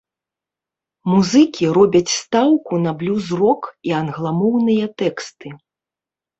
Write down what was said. Музыкі робяць стаўку на блюз-рок і англамоўныя тэксты.